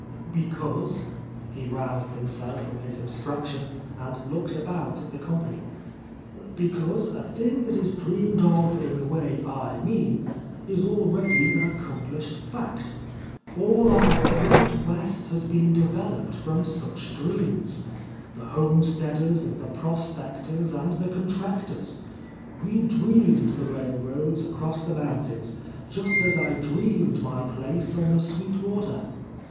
"Because," he roused himself from his abstrac tion and looked about at the company, "because a thing that is dreamed of in the way I mean, is already an accomplished fact. All our great West has been developed from such dreams; the homesteader's and the prospector's and the con tractor's. We dreamed the railroads across the mountains, just as I dreamed my place on the Sweet Water.